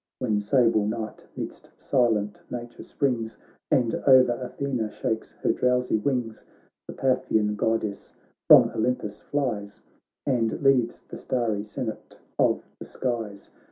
When sable night midst silent nature springs. And o'er Athena shakes her drowsy wings, The Paphian Goddess from Olympus flies, And leaves the starry senate of the skies.